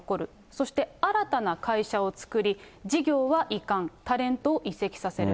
そして新たな会社を作り、事業は移管、タレントを移籍させる。